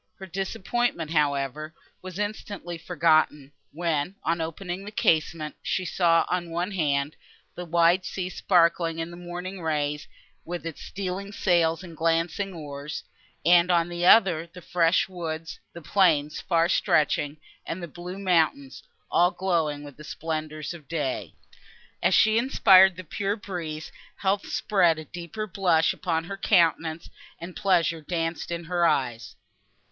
Her disappointment, however, was instantly forgotten, when, on opening the casement, she saw, on one hand, the wide sea sparkling in the morning rays, with its stealing sails and glancing oars; and, on the other, the fresh woods, the plains far stretching and the blue mountains, all glowing with the splendour of day. As she inspired the pure breeze, health spread a deeper blush upon her countenance, and pleasure danced in her eyes.